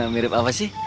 mirip apa sih